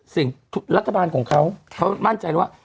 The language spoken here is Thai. สิ่งรัฐบาลของเขาเขามั่นใจเลยว่า